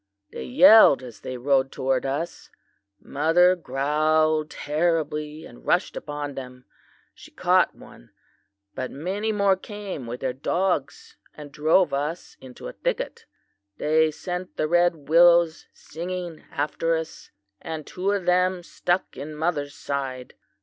They yelled as they rode toward us. Mother growled terribly and rushed upon them. She caught one, but many more came with their dogs and drove us into a thicket. They sent the red willows singing after us, and two of them stuck in mother's side.